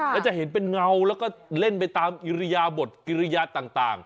แล้วจะเห็นเป็นเงาแล้วก็เล่นไปตามอิริยาบทกิริยาต่าง